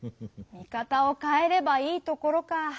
「見かたをかえればいいところ」か。